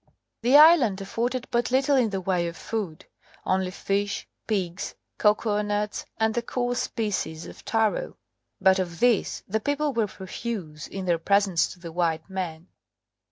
The island afforded but little in the way of food only fish, pigs, cocoanuts, and a coarse species of taro, but of these the people were profuse in their presents to the white men.